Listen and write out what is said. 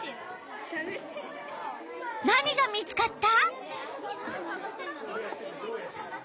何が見つかった？